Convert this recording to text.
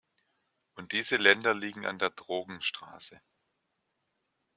Und diese Länder liegen an der Drogenstraße.